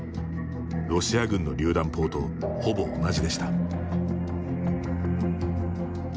ロシア軍のりゅう弾砲とほぼ同じでした。